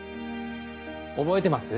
覚えてます？